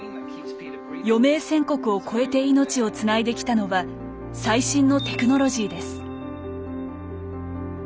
余命宣告を超えて命をつないできたのは最新のテクノロジーです。